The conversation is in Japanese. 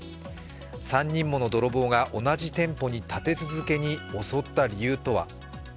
３人もの泥棒が同じ店舗に立て続けに襲った理由とは。